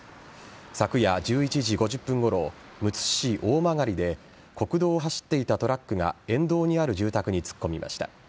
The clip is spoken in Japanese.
昨夜１１時５０分ごろむつ市大曲で国道を走っていたトラックが沿道にある住宅に突っ込みました。